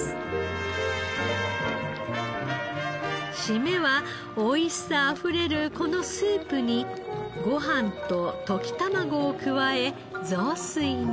締めはおいしさあふれるこのスープにご飯と溶き卵を加え雑炊に。